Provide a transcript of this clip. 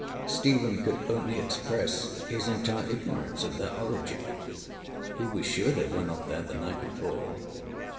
Stephen could only express his entire ignorance of their origin: he was sure they were not there the night before.